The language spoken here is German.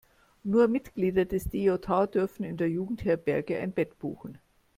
Nur Mitglieder des DJH dürfen in der Jugendherberge ein Bett buchen.